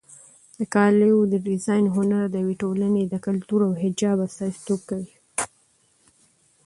د کالیو د ډیزاین هنر د یوې ټولنې د کلتور او حجاب استازیتوب کوي.